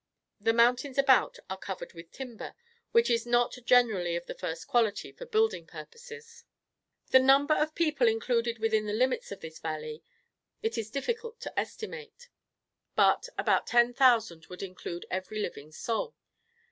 The mountains about are covered with timber, which is not generally of the first quality for building purposes. The number of people included within the limits of this valley, it is difficult to estimate; but, about ten thousand would include every living soul.